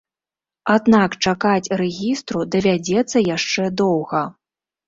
Аднак чакаць рэгістру давядзецца яшчэ доўга.